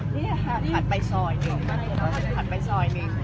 ผ่านไปซอยหนึ่งผ่านไปซอยหนึ่ง